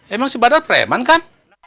emang si badar preman kan